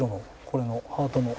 これのハートの。